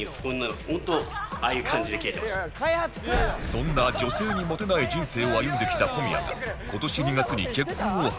そんな女性にモテない人生を歩んできた小宮が今年２月に結婚を発表。